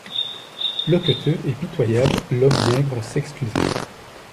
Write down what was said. Loqueteux et pitoyable, l'homme maigre s'excusait.